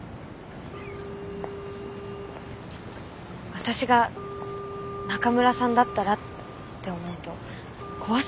私が中村さんだったらって思うと怖すぎて。